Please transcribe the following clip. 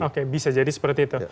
oke bisa jadi seperti itu